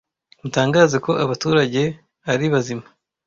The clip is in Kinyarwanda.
mutangaze ko abaturage aribazima